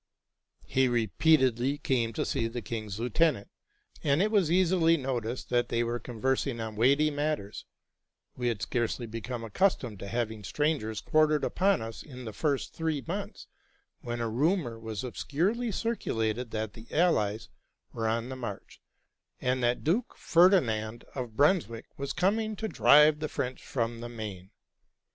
He repeatedly came to see the king's lieutenant, and it was easily noticed that they were conversing on weighty matters. We had scarcely become accustomed to having strangers quartered upon us in the first three months, w hen a rumor was obscurely circulated that the allies were on the march, and that Duke Ferdinand of Brunswick was coming 1 A German proverb, '' Heute roth, Morgen todt." RELATING TO MY LIFE. 81 to drive the French from the Main.